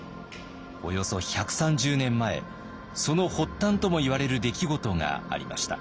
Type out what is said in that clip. およそ１３０年前その発端ともいわれる出来事がありました。